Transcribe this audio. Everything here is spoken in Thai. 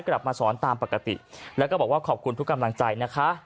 กลับมาสอนตามปกติแล้วก็บอกว่าขอบคุณทุกกำลังใจนะคะ